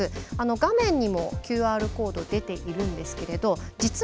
画面にもＱＲコード出ているんですけれど実はですね